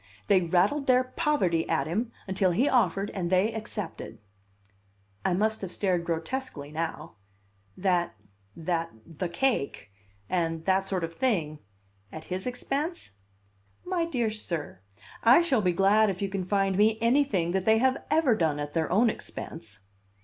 They rattled their poverty at him until he offered and they accepted." I must have stared grotesquely now. "That that the cake and that sort of thing at his expense? "My dear sir, I shall be glad if you can find me anything that they have ever done at their own expense!"